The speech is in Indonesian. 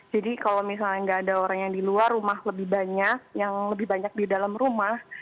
jadi kalau misalnya nggak ada orang yang di luar rumah lebih banyak yang lebih banyak di dalam rumah